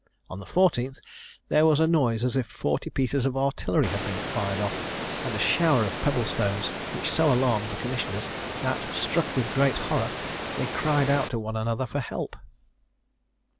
On the fourteenth, there was a noise as if forty pieces of artillery had been fired off, and a shower of pebble stones, which so alarmed the commissioners, that, "struck with great horror, they cried out to one another for help."